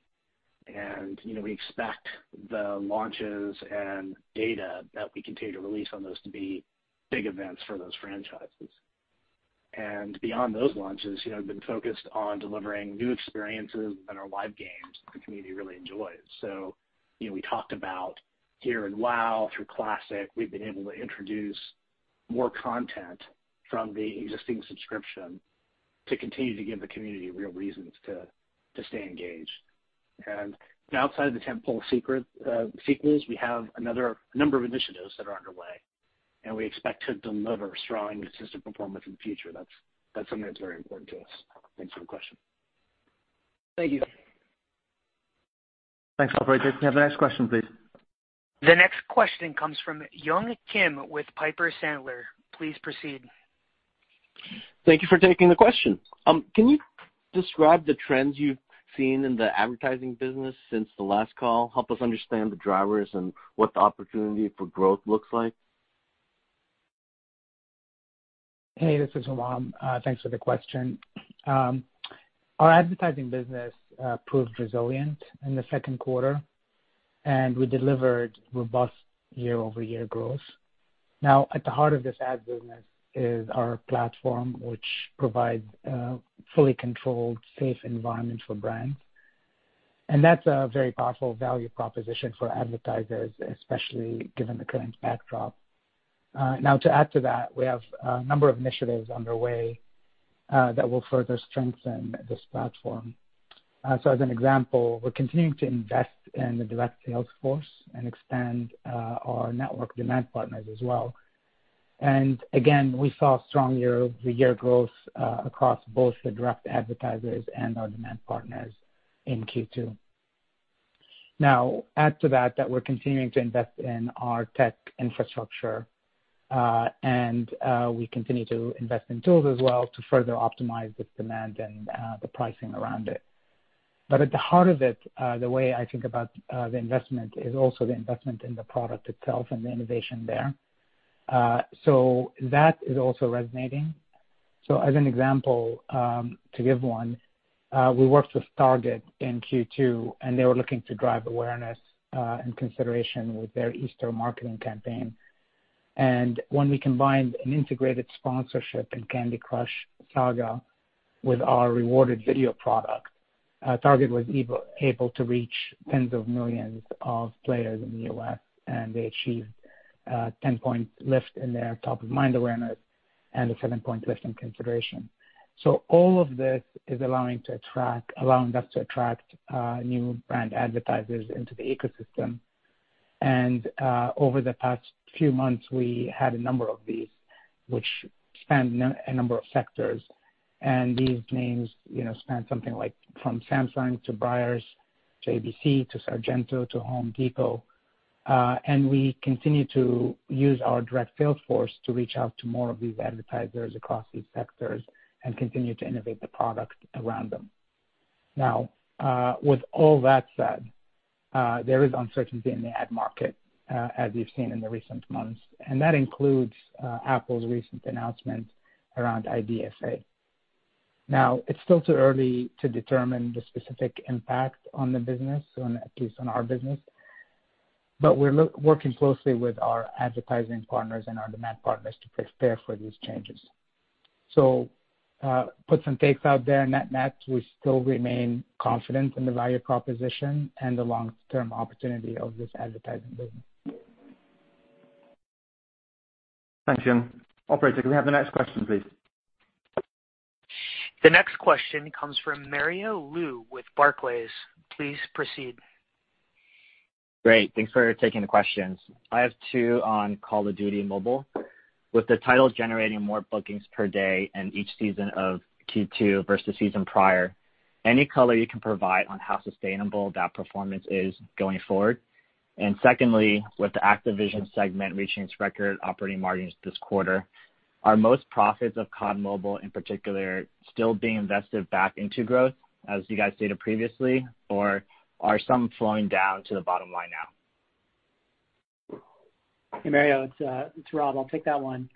we expect the launches and data that we continue to release on those to be big events for those franchises. Beyond those launches, we've been focused on delivering new experiences in our live games the community really enjoys. We talked about here in WoW, through Classic, we've been able to introduce more content from the existing subscription to continue to give the community real reasons to stay engaged. Outside of the tentpole sequels, we have a number of initiatives that are underway, and we expect to deliver strong, consistent performance in the future. That's something that's very important to us. Thanks for the question. Thank you. Thanks, operator. Can we have the next question, please? The next question comes from Yung Kim with Piper Sandler. Please proceed. Thank you for taking the question. Can you describe the trends you've seen in the advertising business since the last call? Help us understand the drivers and what the opportunity for growth looks like. Hey, this is Humam. Thanks for the question. Our advertising business proved resilient in the second quarter, and we delivered robust year-over-year growth. At the heart of this ad business is our platform, which provides a fully controlled, safe environment for brands. That's a very powerful value proposition for advertisers, especially given the current backdrop. To add to that, we have a number of initiatives underway that will further strengthen this platform. As an example, we're continuing to invest in the direct sales force and expand our network demand partners as well. Again, we saw strong year-over-year growth across both the direct advertisers and our demand partners in Q2. Add to that we're continuing to invest in our tech infrastructure, and we continue to invest in tools as well to further optimize this demand and the pricing around it. At the heart of it, the way I think about the investment is also the investment in the product itself and the innovation there. That is also resonating. As an example to give one, we worked with Target in Q2, and they were looking to drive awareness and consideration with their Easter marketing campaign. When we combined an integrated sponsorship in Candy Crush Saga with our rewarded video product, Target was able to reach tens of millions of players in the U.S., and they achieved a 10-point lift in their top-of-mind awareness and a seven-point lift in consideration. All of this is allowing us to attract new brand advertisers into the ecosystem. Over the past few months, we had a number of these, which span a number of sectors. These names span something like from Samsung to Breyers to ABC to Sargento to The Home Depot. We continue to use our direct sales force to reach out to more of these advertisers across these sectors and continue to innovate the product around them. With all that said, there is uncertainty in the ad market, as we've seen in the recent months, and that includes Apple's recent announcement around IDFA. It's still too early to determine the specific impact on the business, at least on our business. We're working closely with our advertising partners and our demand partners to prepare for these changes. Puts and takes out there, net-net, we still remain confident in the value proposition and the long-term opportunity of this advertising business. Thanks, Yung. Operator, can we have the next question, please? The next question comes from Mario Lu with Barclays. Please proceed. Great. Thanks for taking the questions. I have two on Call of Duty: Mobile. With the title generating more bookings per day in each season of Q2 versus season prior, any color you can provide on how sustainable that performance is going forward? Secondly, with the Activision segment reaching its record operating margins this quarter, are most profits of COD Mobile in particular still being invested back into growth, as you guys stated previously, or are some flowing down to the bottom line now? Mario, it's Rob. I'll take that one.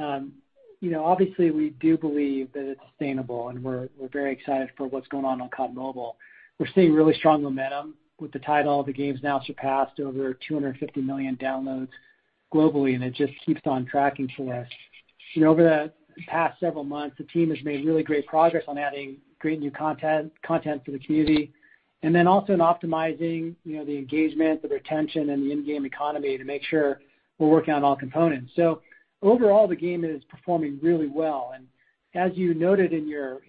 We do believe that it's sustainable, and we're very excited for what's going on on Call of Duty: Mobile. We're seeing really strong momentum with the title. The game's now surpassed over 250 million downloads globally, and it just keeps on tracking for us. Over the past several months, the team has made really great progress on adding great new content to the community, and then also in optimizing the engagement, the retention, and the in-game economy to make sure we're working on all components. Overall, the game is performing really well. As you noted in your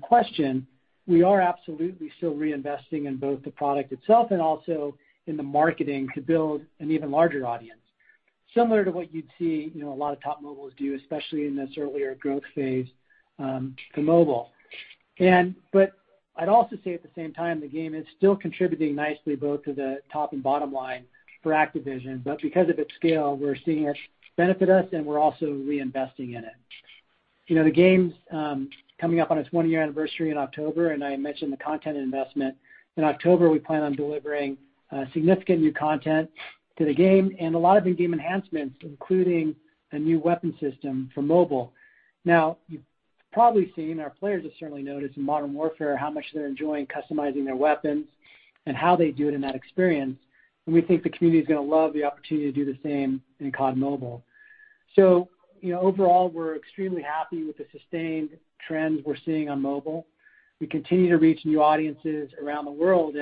question, we are absolutely still reinvesting in both the product itself and also in the marketing to build an even larger audience. Similar to what you'd see a lot of top mobiles do, especially in this earlier growth phase for mobile. I'd also say at the same time, the game is still contributing nicely both to the top and bottom line for Activision. Because of its scale, we're seeing it benefit us, and we're also reinvesting in it. The game's coming up on its one-year anniversary in October, and I mentioned the content investment. In October, we plan on delivering significant new content to the game and a lot of in-game enhancements, including a new weapon system for mobile. You've probably seen, our players have certainly noticed in Modern Warfare how much they're enjoying customizing their weapons and how they do it in that experience, and we think the community is going to love the opportunity to do the same in COD Mobile. Overall, we're extremely happy with the sustained trends we're seeing on mobile. We continue to reach new audiences around the world.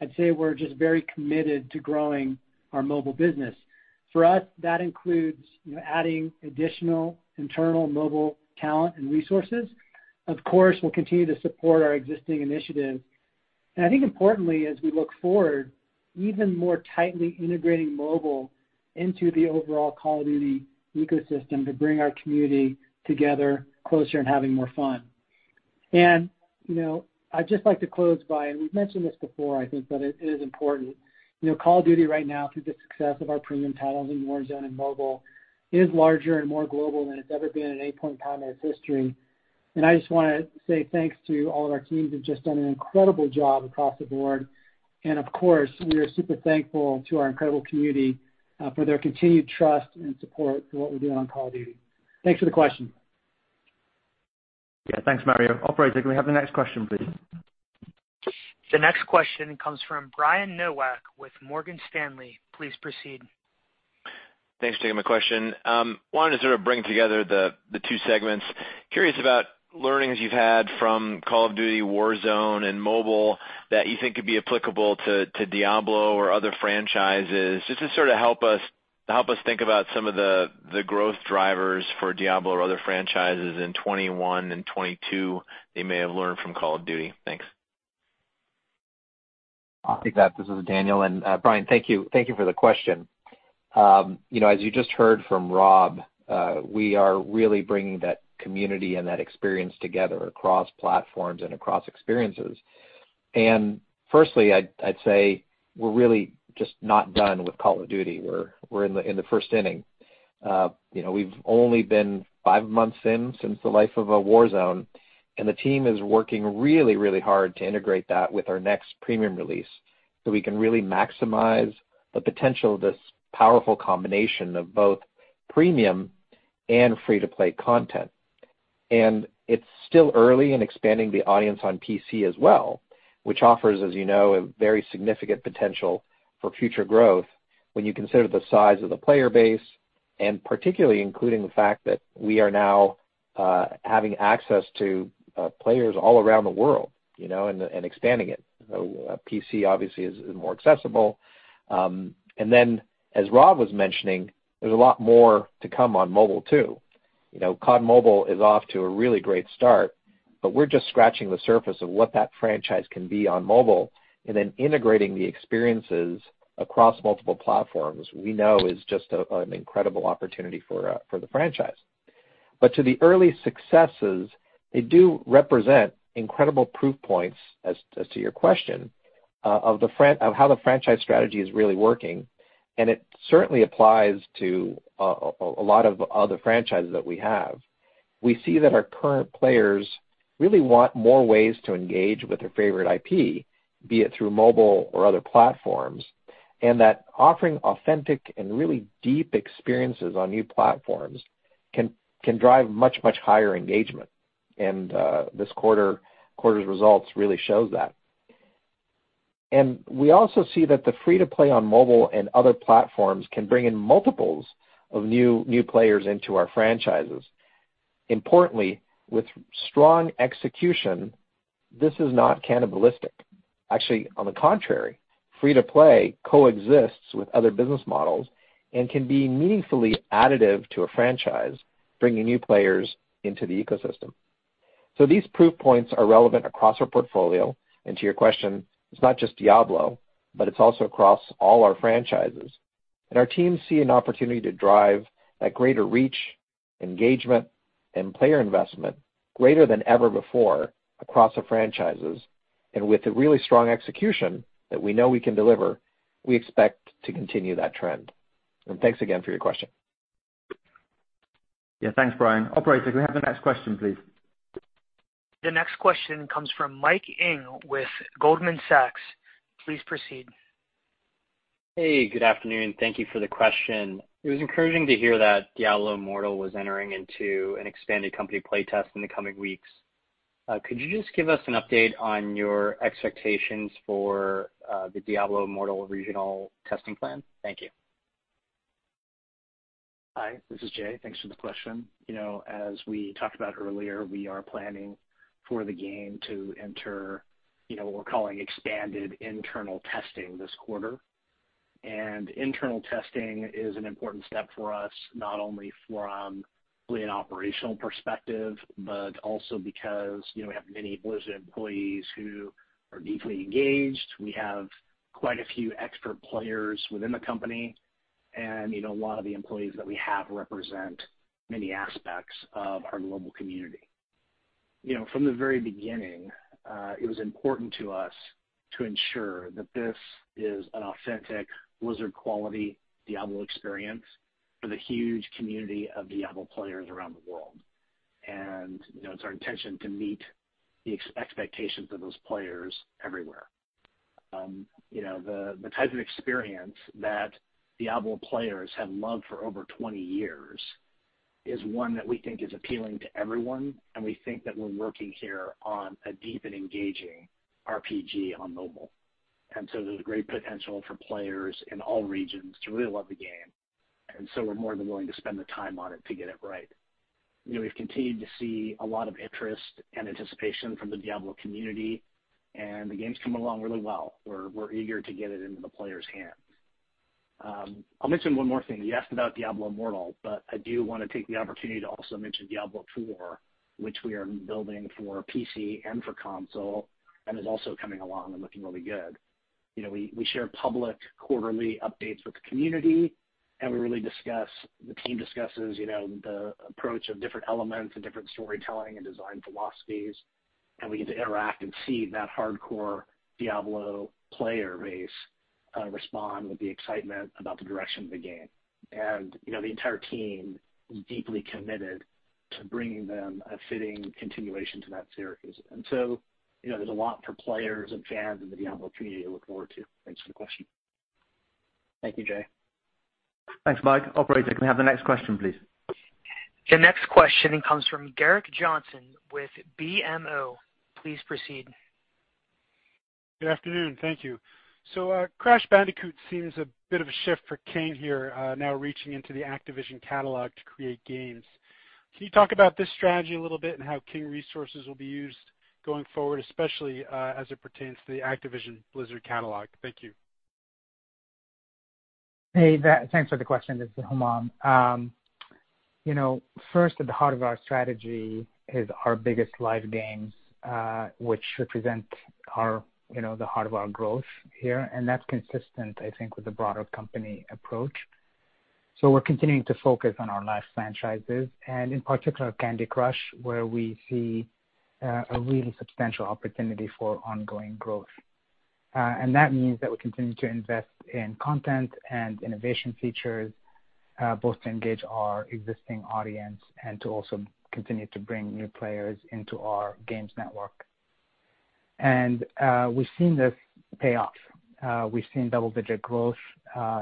I'd say we're just very committed to growing our mobile business. For us, that includes adding additional internal mobile talent and resources. Of course, we'll continue to support our existing initiatives. I think importantly, as we look forward, even more tightly integrating mobile into the overall Call of Duty ecosystem to bring our community together closer and having more fun. I'd just like to close by, and we've mentioned this before, I think, but it is important. Call of Duty right now, through the success of our premium titles in Warzone and Mobile, is larger and more global than it's ever been at any point in time in its history. I just want to say thanks to all of our teams who have just done an incredible job across the board. Of course, we are super thankful to our incredible community for their continued trust and support for what we're doing on Call of Duty. Thanks for the question. Yeah. Thanks, Mario. Operator, can we have the next question, please? The next question comes from Brian Nowak with Morgan Stanley. Please proceed. Thanks for taking my question. Wanted to sort of bring together the two segments. Curious about learnings you've had from Call of Duty: Warzone and Call of Duty: Mobile that you think could be applicable to Diablo or other franchises, just to sort of help us think about some of the growth drivers for Diablo or other franchises in 2021 and 2022 that you may have learned from Call of Duty. Thanks. I'll take that. This is Daniel. Brian, thank you for the question. As you just heard from Rob Kostich, we are really bringing that community and that experience together across platforms and across experiences. Firstly, I'd say we're really just not done with Call of Duty. We're in the first inning. We've only been five months in since the life of Call of Duty: Warzone. The team is working really hard to integrate that with our next premium release so we can really maximize the potential of this powerful combination of both premium and free-to-play content. It's still early in expanding the audience on PC as well, which offers, as you know, a very significant potential for future growth when you consider the size of the player base and particularly including the fact that we are now having access to players all around the world and expanding it. PC obviously is more accessible. Then as Rob was mentioning, there's a lot more to come on mobile, too. COD Mobile is off to a really great start. We're just scratching the surface of what that franchise can be on mobile. Then integrating the experiences across multiple platforms we know is just an incredible opportunity for the franchise. To the early successes, they do represent incredible proof points, as to your question, of how the franchise strategy is really working, and it certainly applies to a lot of other franchises that we have. We see that our current players really want more ways to engage with their favorite IP, be it through mobile or other platforms, and that offering authentic and really deep experiences on new platforms can drive much higher engagement and this quarter's results really shows that. We also see that the free to play on mobile and other platforms can bring in multiples of new players into our franchises. Importantly, with strong execution, this is not cannibalistic. Actually, on the contrary, free to play coexists with other business models and can be meaningfully additive to a franchise, bringing new players into the ecosystem. These proof points are relevant across our portfolio and to your question, it's not just Diablo, but it's also across all our franchises. Our teams see an opportunity to drive that greater reach, engagement, and player investment greater than ever before across the franchises. With the really strong execution that we know we can deliver, we expect to continue that trend. Thanks again for your question. Yeah. Thanks, Brian. Operator, can we have the next question, please? The next question comes from Michael Ng with Goldman Sachs. Please proceed. Hey, good afternoon. Thank you for the question. It was encouraging to hear that Diablo Immortal was entering into an expanded company play test in the coming weeks. Could you just give us an update on your expectations for the Diablo Immortal regional testing plan? Thank you. Hi, this is J. Thanks for the question. As we talked about earlier, we are planning for the game to enter what we're calling expanded internal testing this quarter. Internal testing is an important step for us, not only from Also because we have many Blizzard employees who are deeply engaged. We have quite a few expert players within the company, and a lot of the employees that we have represent many aspects of our global community. From the very beginning, it was important to us to ensure that this is an authentic Blizzard-quality Diablo experience for the huge community of Diablo players around the world. It's our intention to meet the expectations of those players everywhere. The type of experience that Diablo players have loved for over 20 years is one that we think is appealing to everyone, and we think that we're working here on a deep and engaging RPG on mobile. There's great potential for players in all regions to really love the game. We're more than willing to spend the time on it to get it right. We've continued to see a lot of interest and anticipation from the Diablo community, and the game's coming along really well. We're eager to get it into the players' hands. I'll mention one more thing. You asked about Diablo Immortal, but I do want to take the opportunity to also mention Diablo IV, which we are building for PC and for console and is also coming along and looking really good. We share public quarterly updates with the community, and the team discusses the approach of different elements and different storytelling and design philosophies. We get to interact and see that hardcore Diablo player base respond with the excitement about the direction of the game. The entire team is deeply committed to bringing them a fitting continuation to that series. There's a lot for players and fans in the Diablo community to look forward to. Thanks for the question. Thank you, J. Thanks, Michael. Operator, can we have the next question, please? The next question comes from Gerrick Johnson with BMO. Please proceed. Good afternoon. Thank you. Crash Bandicoot seems a bit of a shift for King here, now reaching into the Activision catalog to create games. Can you talk about this strategy a little bit and how King resources will be used going forward, especially as it pertains to the Activision Blizzard catalog? Thank you. Hey, thanks for the question. This is Humam. First, at the heart of our strategy is our biggest live games, which represent the heart of our growth here. That's consistent, I think, with the broader company approach. We're continuing to focus on our live franchises and in particular Candy Crush, where we see a really substantial opportunity for ongoing growth. That means that we continue to invest in content and innovation features, both to engage our existing audience and to also continue to bring new players into our games network. We've seen this pay off. We've seen double-digit growth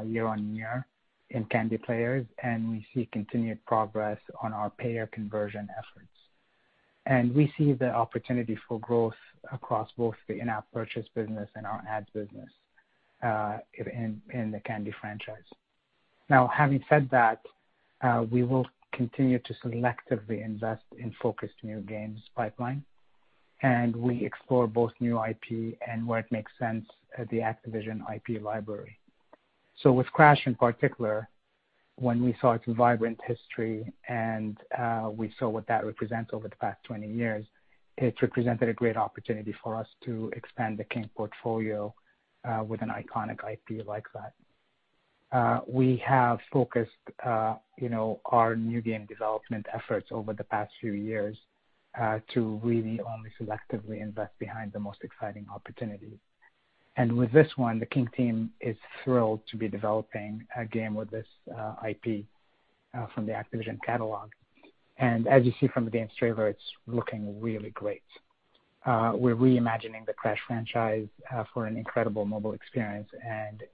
year on year in Candy players, and we see continued progress on our payer conversion efforts. We see the opportunity for growth across both the in-app purchase business and our ads business in the Candy franchise. Having said that, we will continue to selectively invest in focused new games pipeline, and we explore both new IP and where it makes sense, the Activision IP library. With Crash in particular, when we saw its vibrant history and we saw what that represents over the past 20 years, it represented a great opportunity for us to expand the King portfolio with an iconic IP like that. We have focused our new game development efforts over the past few years to really only selectively invest behind the most exciting opportunities. With this one, the King team is thrilled to be developing a game with this IP from the Activision catalog. As you see from the game's trailer, it's looking really great. We're reimagining the Crash franchise for an incredible mobile experience.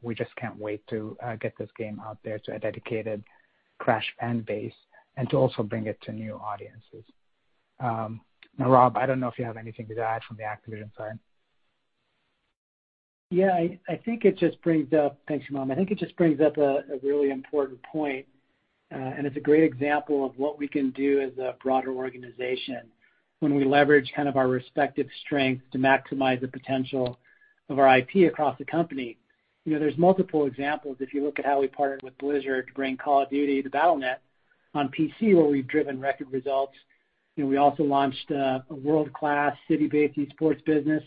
We just can't wait to get this game out there to a dedicated Crash fan base and to also bring it to new audiences. Rob, I don't know if you have anything to add from the Activision side. Yeah. Thanks, Humam. I think it just brings up a really important point, and it's a great example of what we can do as a broader organization when we leverage our respective strengths to maximize the potential of our IP across the company. There's multiple examples. If you look at how we partnered with Blizzard to bring Call of Duty to Battle.net on PC, where we've driven record results. We also launched a world-class city-based esports business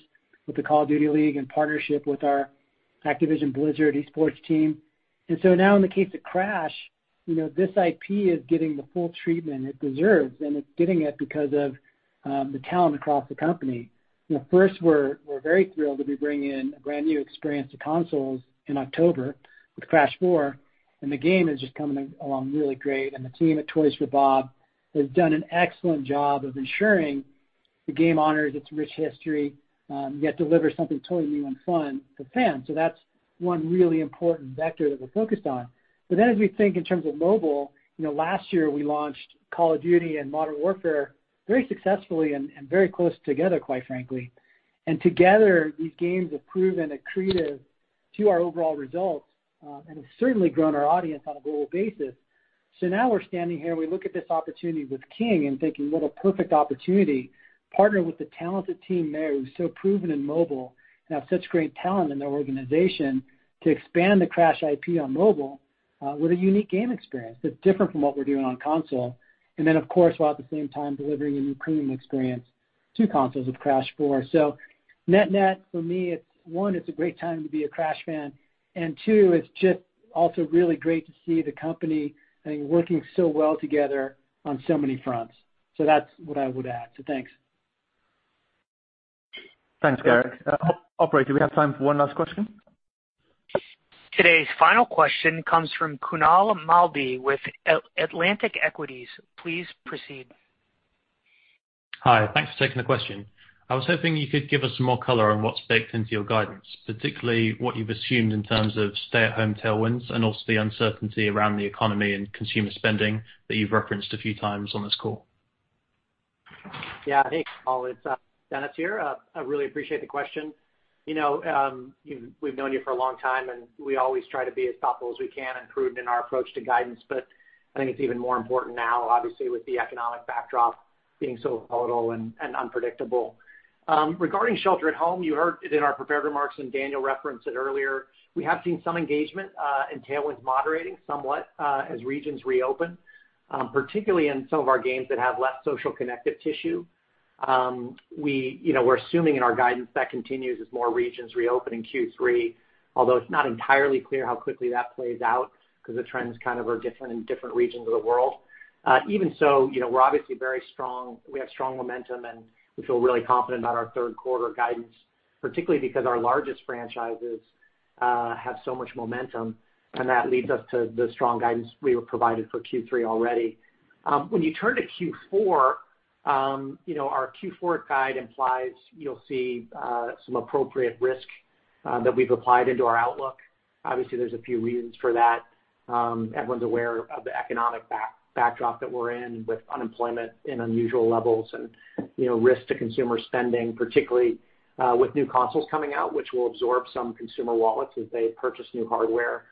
with the Call of Duty League in partnership with our Activision Blizzard Esports team. Now in the case of Crash, this IP is getting the full treatment it deserves, and it's getting it because of the talent across the company. First, we're very thrilled to be bringing in a brand-new experience to consoles in October with Crash 4, and the game is just coming along really great. The team at Toys for Bob has done an excellent job of ensuring the game honors its rich history, yet delivers something totally new and fun for fans. That's one really important vector that we're focused on. As we think in terms of mobile, last year we launched Call of Duty and Modern Warfare very successfully and very close together, quite frankly. Together, these games have proven accretive to our overall results and have certainly grown our audience on a global basis. Now we're standing here, and we look at this opportunity with King and thinking what a perfect opportunity to partner with the talented team there who's so proven in mobile and have such great talent in their organization to expand the Crash IP on mobile with a unique game experience that's different from what we're doing on console. Of course, while at the same time delivering a new premium experience to consoles with Crash 4. Net-net for me, one, it's a great time to be a Crash fan, and two, it's just also really great to see the company working so well together on so many fronts. That's what I would add. Thanks. Thanks, Gerrick. Operator, do we have time for one last question? Today's final question comes from Kunaal Malde with Atlantic Equities. Please proceed. Hi, thanks for taking the question. I was hoping you could give us some more color on what's baked into your guidance, particularly what you've assumed in terms of stay-at-home tailwinds and also the uncertainty around the economy and consumer spending that you've referenced a few times on this call. Yeah. Hey, Kunaal, it's Dennis here. I really appreciate the question. We've known you for a long time, and we always try to be as thoughtful as we can and prudent in our approach to guidance. I think it's even more important now, obviously, with the economic backdrop being so volatile and unpredictable. Regarding shelter at home, you heard it in our prepared remarks, and Daniel referenced it earlier. We have seen some engagement and tailwinds moderating somewhat as regions reopen, particularly in some of our games that have less social connective tissue. We're assuming in our guidance that continues as more regions reopen in Q3, although it's not entirely clear how quickly that plays out because the trends kind of are different in different regions of the world. Even so, we have strong momentum, and we feel really confident about our third quarter guidance, particularly because our largest franchises have so much momentum, and that leads us to the strong guidance we have provided for Q3 already. When you turn to Q4, our Q4 guide implies you'll see some appropriate risk that we've applied into our outlook. Obviously, there's a few reasons for that. Everyone's aware of the economic backdrop that we're in with unemployment in unusual levels and risk to consumer spending, particularly with new consoles coming out, which will absorb some consumer wallets as they purchase new hardware.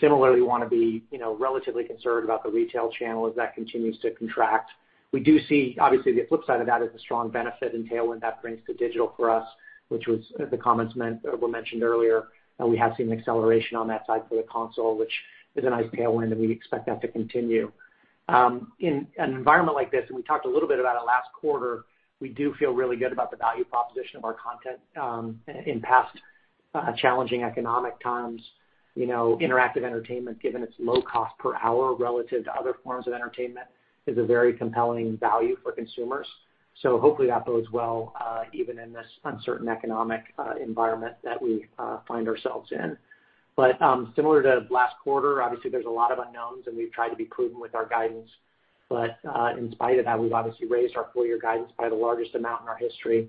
Similarly, we want to be relatively concerned about the retail channel as that continues to contract. We do see, obviously, the flip side of that is the strong benefit and tailwind that brings to digital for us, which was the comments mentioned earlier, and we have seen acceleration on that side for the console, which is a nice tailwind, and we expect that to continue. In an environment like this, and we talked a little bit about it last quarter, we do feel really good about the value proposition of our content. In past challenging economic times, interactive entertainment, given its low cost per hour relative to other forms of entertainment, is a very compelling value for consumers. Hopefully that bodes well even in this uncertain economic environment that we find ourselves in. Similar to last quarter, obviously, there's a lot of unknowns, and we've tried to be prudent with our guidance. In spite of that, we've obviously raised our full-year guidance by the largest amount in our history.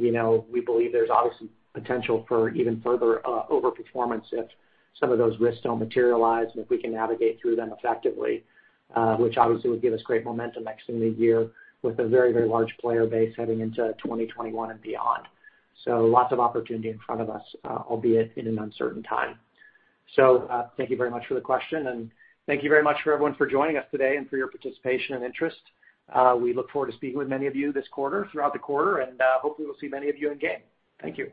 We believe there's obviously potential for even further over-performance if some of those risks don't materialize and if we can navigate through them effectively, which obviously would give us great momentum exiting the year with a very, very large player base heading into 2021 and beyond. Lots of opportunity in front of us, albeit in an uncertain time. Thank you very much for the question, and thank you very much for everyone for joining us today and for your participation and interest. We look forward to speaking with many of you this quarter, throughout the quarter, and hopefully we'll see many of you in-game. Thank you.